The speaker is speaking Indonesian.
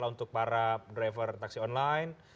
untuk para driver taksi online